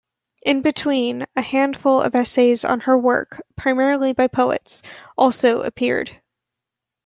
In between, a handful of essays on her work, primarily by poets, also appeared.